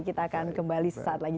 kita akan kembali sesaat lagi